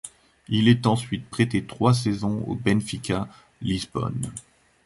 Il est ensuite prêté trois saisons au Benfica Lisbonne.